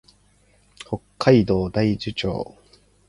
北海道大樹町